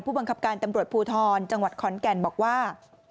บังคับการตำรวจภูทรจังหวัดขอนแก่นบอกว่า